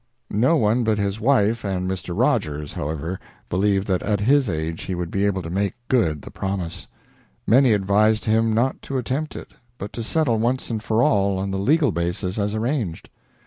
No one but his wife and Mr. Rogers, however, believed that at his age he would be able to make good the promise. Many advised him not to attempt it, but to settle once and for all on the legal basis as arranged.